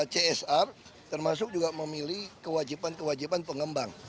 csr termasuk juga memilih kewajiban kewajiban pengembang